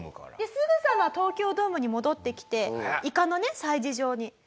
すぐさま東京ドームに戻ってきていかのね催事場に。